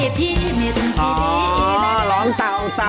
อ๋อร้องเต่า